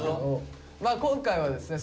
まあ今回はですね